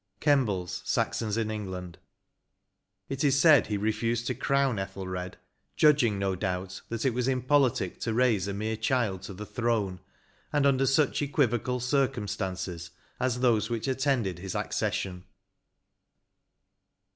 — Kembles *' Saxons in England. It is said he refused to crown Ethelred, judging, no doubt, that it was impolitic to raise a mere child to the throne, and under such equivocal circum stances as those which attended his accession.